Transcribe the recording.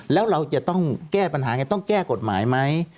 แล้วเราจะต้องแก้ปัญหาไงต้องแก้กฎหมายไหม